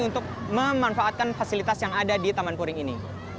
untuk memanfaatkan fasilitas yang ada di taman puring ini